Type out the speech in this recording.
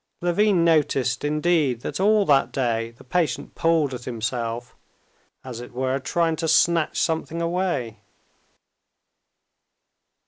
Levin noticed, indeed, that all that day the patient pulled at himself, as it were, trying to snatch something away.